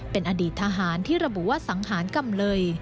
เป็นอดีตทหารที่ระบุว่าสังหารกำเลย